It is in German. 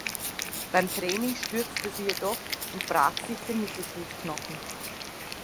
Beim Training stürzte sie jedoch und brach sich den Mittelfußknochen.